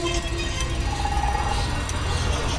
ولي هڅاند سړی د پوه سړي په پرتله ژر بریالی کېږي؟